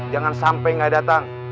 jangan sampai nggak datang